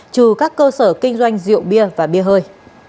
trừ các cơ sở kinh doanh rượu bia và bia hơi